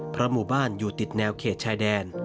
เพราะหมู่บ้านอยู่ติดแนวเขตชายแดน